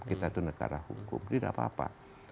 kita itu negara hukum tidak apa apa